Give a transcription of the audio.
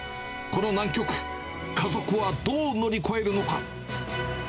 この難局、家族はどう乗り越えるのか。